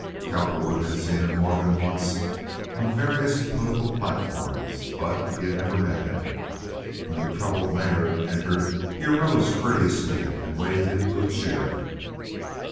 Cowperwood had seen him more than once on various political platforms, but he had never met him. When the troubled mayor entered he arose courteously and waved him to a chair.